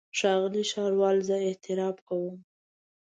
ښاغلی ښاروال زه اعتراف کوم.